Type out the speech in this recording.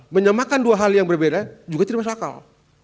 menyamakan dua hal yang berbeda juga tidak masuk akal